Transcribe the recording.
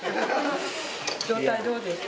状態どうですか？